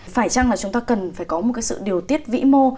phải chăng là chúng ta cần phải có một sự điều tiết vĩ mô